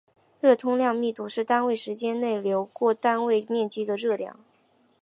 热通量密度是单位时间内流过单位面积的热量。